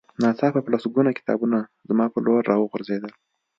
ناڅاپه په لسګونه کتابونه زما په لور را وغورځېدل